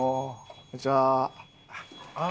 こんにちは。